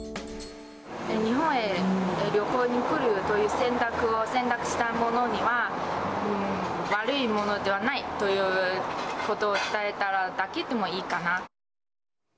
日本へ旅行に来るという選択したものには、悪いものではないということを伝えただけでもいいかなと。